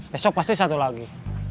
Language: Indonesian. besok pasti satu lagi